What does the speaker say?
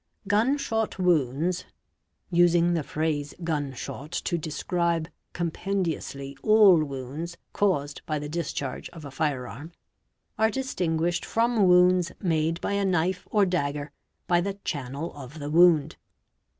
Gun shot wounds (using the phrase gun shot to describe com pendiously all wotnds caused by the discharge of a fire arm) are distin guished from wounds made by a knife or dagger by the channel of the wound.